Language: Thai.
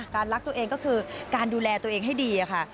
รักตัวเองก็คือการดูแลตัวเองให้ดีค่ะ